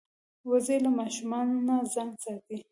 وزې له ماشومانو نه ځان ساتي